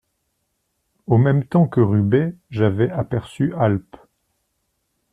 En même temps que Rubé j'avais aperçu Alp.